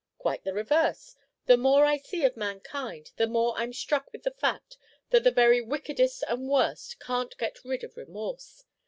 "Quite the reverse; the more I see of mankind, the more I 'm struck with the fact that the very wickedest and worst can't get rid of remorse!